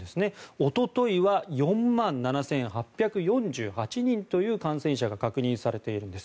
おとといは４万７８４８人という感染者が確認されているんです。